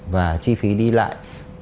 và chi phí đi lại